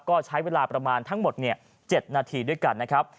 ก็ใช้เวลาประมาณทั้งหมด๗นาทีด้วยกันนะครับ